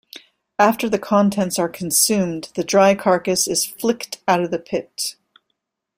After the contents are consumed, the dry carcass is flicked out of the pit.